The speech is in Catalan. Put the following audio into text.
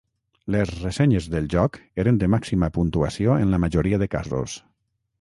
Les ressenyes del joc eren de màxima puntuació en la majoria de casos.